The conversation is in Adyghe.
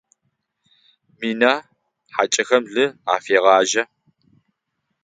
Мина хьакӏэхэм лы афегъажъэ.